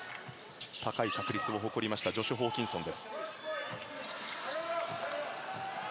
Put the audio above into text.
高い確率を誇りましたジョシュ・ホーキンソン。